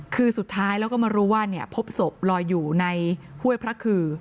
คือสุดท้ายแล้วก็มารู้ว่าพบศพลอยอยู่ในห้วยพระคือ